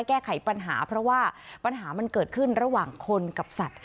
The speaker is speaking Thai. แก้ไขปัญหาเพราะว่าปัญหามันเกิดขึ้นระหว่างคนกับสัตว